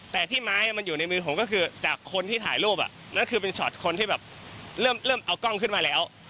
แต่ที่ไม้มันอยู่ในมือผมก็คือจากคนที่ถ่ายรูปนั่นคือเป็นช็อตคนที่แบบเริ่มเอากล้องขึ้นมาแล้ว